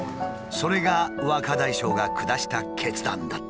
それが若大将が下した決断だった。